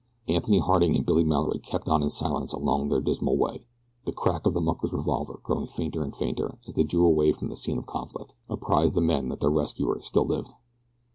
Anthony Harding and Billy Mallory kept on in silence along their dismal way. The crack of the mucker's revolver, growing fainter and fainter, as they drew away from the scene of conflict, apprised the men that their rescuer still lived.